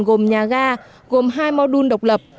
gồm nhà ga gồm hai mô đun độc lập